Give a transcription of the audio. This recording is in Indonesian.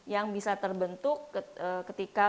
yang bisa terbentuk ketika